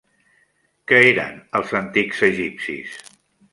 Què eren els antics egipcis?